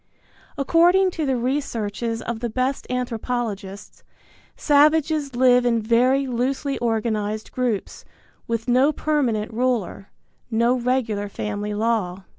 According to the researches of the best anthropologists, savages live in very loosely organized groups, with no permanent ruler, no regular family law.